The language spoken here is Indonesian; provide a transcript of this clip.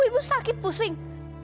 ibu sakit pusing